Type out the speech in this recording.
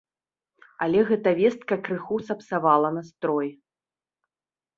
Але гэта вестка крыху сапсавала настрой.